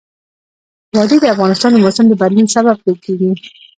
وادي د افغانستان د موسم د بدلون سبب کېږي.